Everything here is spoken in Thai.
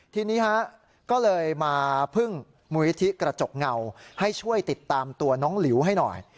ทีนี้ฮะก็เลยมาพึ่งมูลนิธิกระจกเงาให้ช่วยติดตามตัวน้องหลิวให้หน่อย